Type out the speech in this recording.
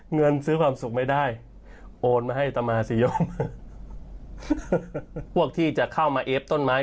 เงินซื้อความสุขไม่ได้โอนมาให้ตามาสิโยมพวกที่จะเข้ามาเอฟต้นไม้